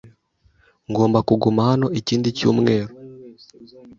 Ngomba kuguma hano ikindi cyumweru.